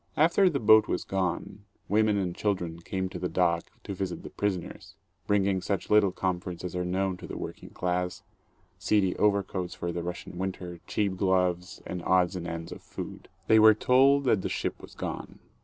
After the boat was gone, women and children came to the dock to visit the prisoners, bringing such little comforts as are known to the working class, seedy overcoats for the Russian winter, cheap gloves and odds and ends of food. They were told that the ship was gone.